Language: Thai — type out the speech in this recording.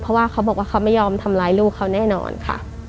เพราะว่าเขาบอกว่าเขาไม่ยอมทำร้ายลูกเขาแน่นอนค่ะ